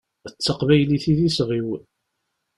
D taqbaylit i d iseɣ-iw.